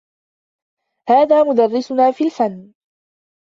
هذا مدرّسنا في الفن.